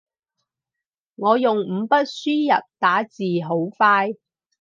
我用五筆輸入打字好快